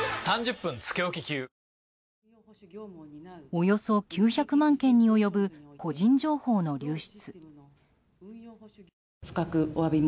およそ９００万件に及ぶ個人情報の流出。